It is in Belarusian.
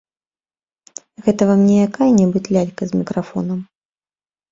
Гэта вам не якая-небудзь лялька з мікрафонам!